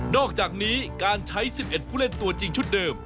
อกจากนี้การใช้๑๑ผู้เล่นตัวจริงชุดเดิม